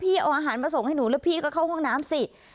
เอาอาหารมาส่งให้หนูแล้วพี่ก็เข้าห้องน้ำสิ